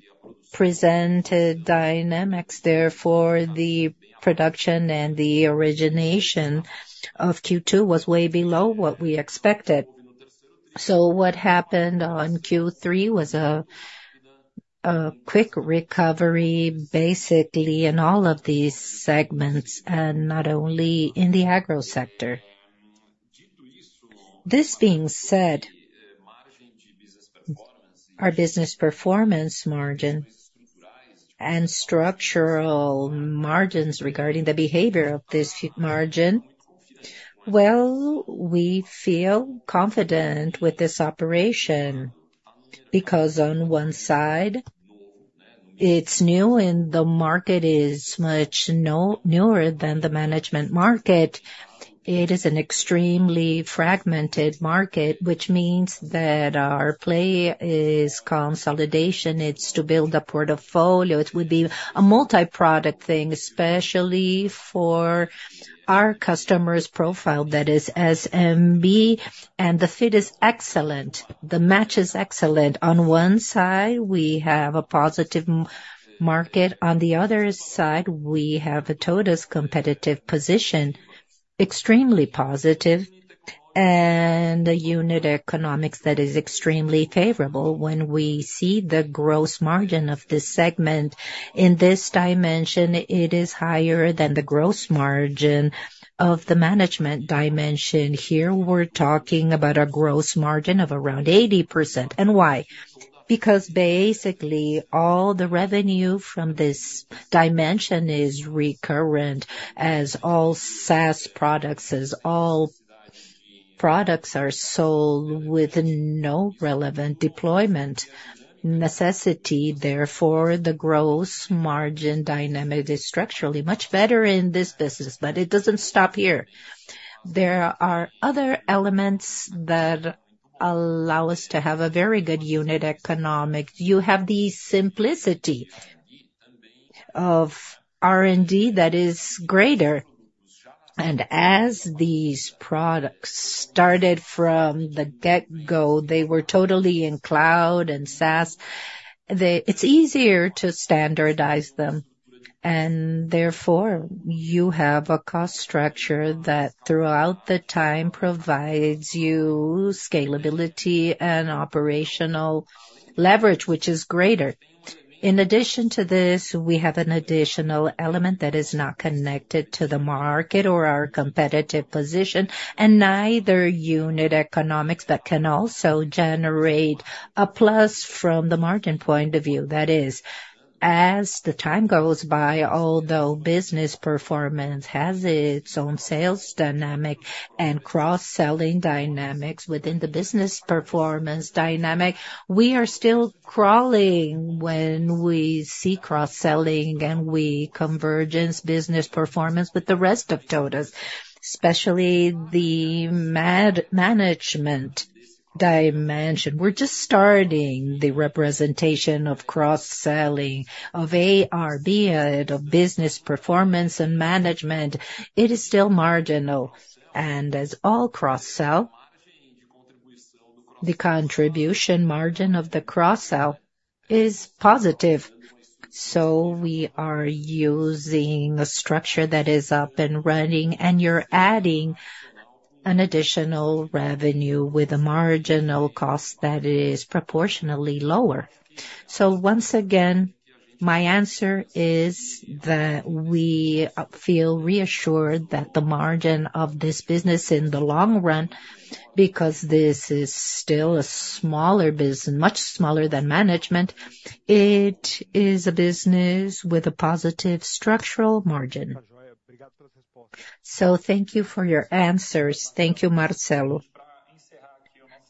presented dynamics. Therefore, the production and the origination of Q2 was way below what we expected. So what happened on Q3 was a quick recovery, basically, in all of these segments, and not only in the agro sector. This being said, our Business Performance margin and structural margins regarding the behavior of this margin, well, we feel confident with this operation, because on one side, it's new and the market is much newer than the Management market. It is an extremely fragmented market, which means that our play is consolidation, it's to build a portfolio. It would be a multi-product thing, especially for our customers' profile, that is SMB, and the fit is excellent. The match is excellent. On one side, we have a positive market. On the other side, we have a TOTVS competitive position.... extremely positive, and the unit economics that is extremely favorable. When we see the gross margin of this segment, in this dimension, it is higher than the gross margin of the Management dimension. Here, we're talking about a gross margin of around 80%. And why? Because basically, all the revenue from this dimension is recurrent, as all SaaS products, as all products are sold with no relevant deployment necessity. Therefore, the gross margin dynamic is structurally much better in this business, but it doesn't stop here. There are other elements that allow us to have a very good unit economics. You have the simplicity of R&D that is greater. As these products started from the get-go, they were totally in cloud and SaaS. It's easier to standardize them, and therefore, you have a cost structure that, throughout the time, provides you scalability and operational leverage, which is greater. In addition to this, we have an additional element that is not connected to the market or our competitive position, nor to unit economics that can also generate a plus from the margin point of view. That is, as the time goes by, although business performance has its own sales dynamic and cross-selling dynamics within the business performance dynamic, we are still crawling when we see cross-selling and the convergence of business performance with the rest of TOTVS, especially the Management dimension. We're just starting the representation of cross-selling, of ERP, of business performance and Management. It is still marginal, and as all cross-sell, the contribution margin of the cross-sell is positive. So we are using a structure that is up and running, and you're adding an additional revenue with a marginal cost that is proportionally lower. So once again, my answer is that we feel reassured that the margin of this business in the long run, because this is still a smaller business, much smaller than Management, it is a business with a positive structural margin. So thank you for your answers. Thank you, Marcelo.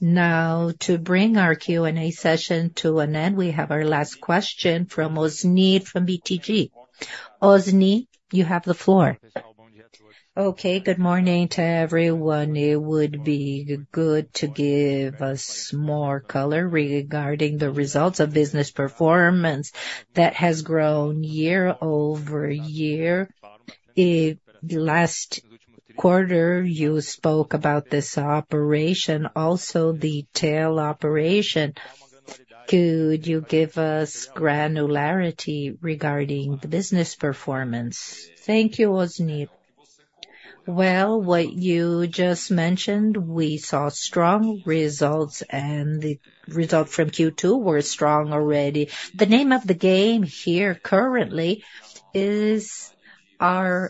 Now, to bring our Q&A session to an end, we have our last question from Osni, from BTG. Osni, you have the floor. Okay, good morning to everyone. It would be good to give us more color regarding the results of Business Performance that has grown year-over-year. In the last quarter, you spoke about this operation, also the Tail operation. Could you give us granularity regarding the Business Performance? Thank you, Osni. Well, what you just mentioned, we saw strong results, and the result from Q2 were strong already. The name of the game here currently is our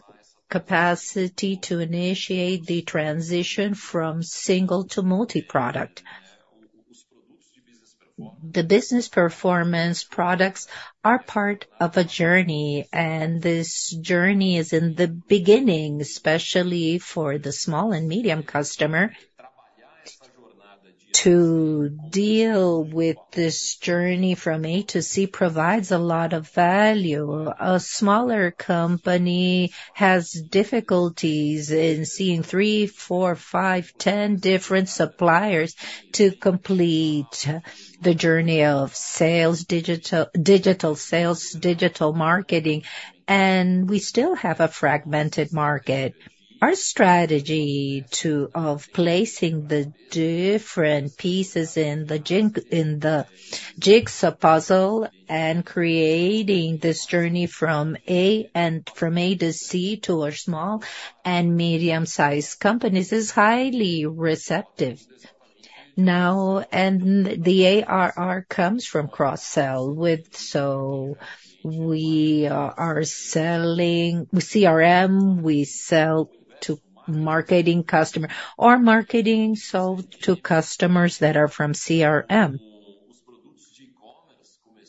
capacity to initiate the transition from single to multi-product. The Business Performance products are part of a journey, and this journey is in the beginning, especially for the small and medium customer. To deal with this journey from A to Z provides a lot of value. A smaller company has difficulties in seeing three, four, five, 10 different suppliers to complete the journey of sales, digital sales, digital marketing, and we still have a fragmented market. Our strategy to of placing the different pieces in the jigsaw puzzle and creating this journey from A and, from A to Z, towards small and medium-sized companies, is highly receptive. Now, the ARR comes from cross-sell with, so we are selling with CRM, we sell to marketing customer, or marketing sell to customers that are from CRM.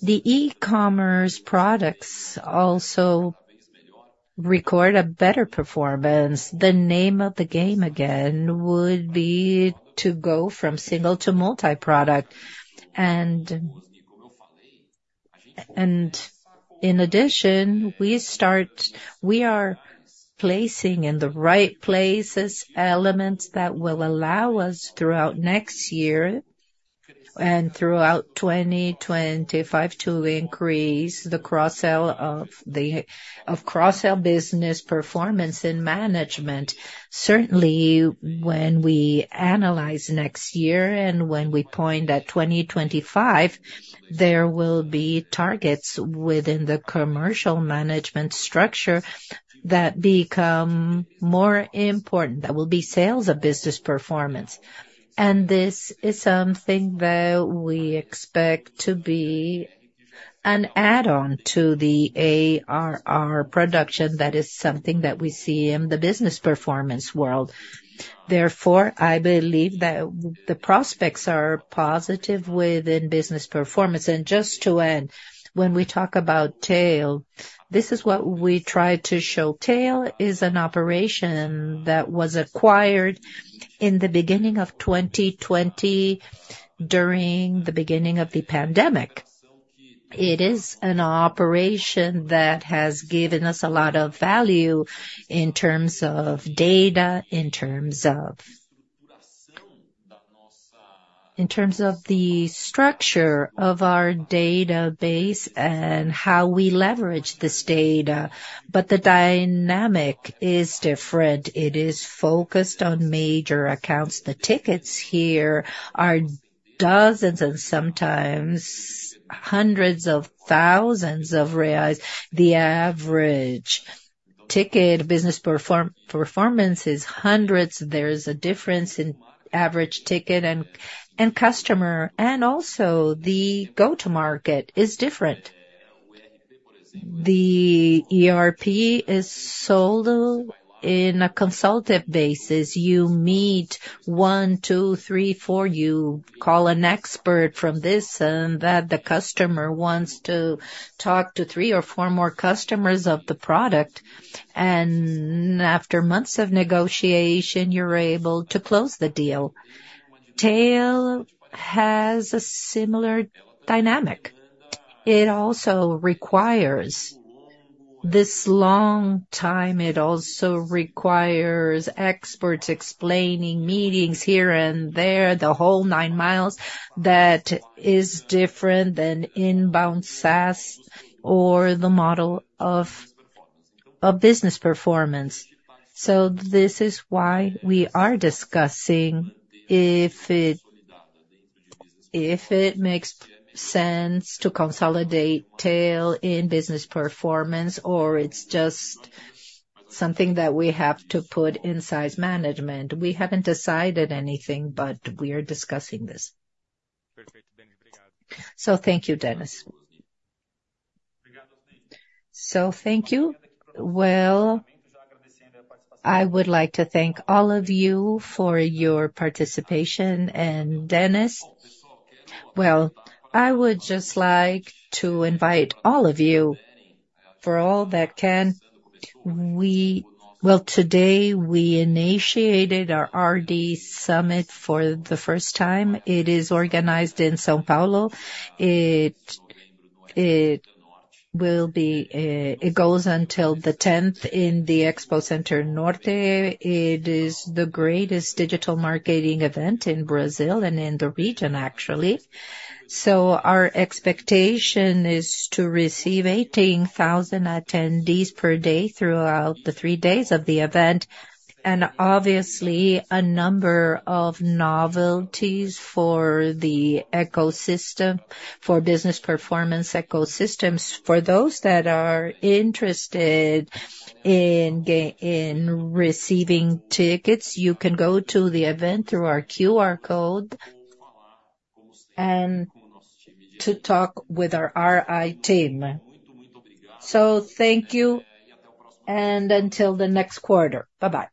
The e-commerce products also record a better performance. The name of the game, again, would be to go from single to multi-product. And in addition, we start we are placing in the right places, elements that will allow us throughout next year and throughout 2025, to increase the cross-sell of the, of cross-sell business performance and Management. Certainly, when we analyze next year and when we point at 2025, there will be targets within the commercial Management structure. that become more important, that will be sales of Business Performance. And this is something that we expect to be an add-on to the ARR production. That is something that we see in the Business Performance world. Therefore, I believe that the prospects are positive within Business Performance. And just to end, when we talk about Tail, this is what we try to show. Tail is an operation that was acquired in the beginning of 2020, during the beginning of the pandemic. It is an operation that has given us a lot of value in terms of data, in terms of, in terms of the structure of our database and how we leverage this data, but the dynamic is different. It is focused on major accounts. The tickets here are dozens and sometimes hundreds of thousands of BRL. The average ticket business performance is hundreds of BRL. There is a difference in average ticket and, and customer, and also the go-to-market is different. The ERP is sold in a consulted basis. You meet 1, 2, 3, 4, you call an expert from this and that. The customer wants to talk to 3 or 4 more customers of the product, and after months of negotiation, you're able to close the deal. Tail has a similar dynamic. It also requires this long time. It also requires experts explaining, meetings here and there, the whole nine miles. That is different than inbound SaaS or the model of, of Business Performance. So this is why we are discussing if it, if it makes sense to consolidate Tail in Business Performance, or it's just something that we have to put in the Management. We haven't decided anything, but we are discussing this. Perfect. Thank you. So thank you, Dennis. So thank you. Well, I would like to thank all of you for your participation. And Dennis, well, I would just like to invite all of you, for all that can, well, today, we initiated our RD Summit for the first time. It is organized in São Paulo. It will be. It goes until the tenth in the Expo Center Norte. It is the greatest digital marketing event in Brazil and in the region, actually. So our expectation is to receive 18,000 attendees per day throughout the three days of the event, and obviously, a number of novelties for the ecosystem, for business performance ecosystems. For those that are interested in in receiving tickets, you can go to the event through our QR code and to talk with our IR team. So thank you, and until the next quarter. Bye-bye!